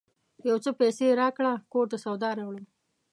یو څه پیسې راکړه ! کور ته سودا راوړم